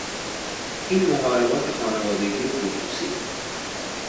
این محاربات خانوادگی و خصوصی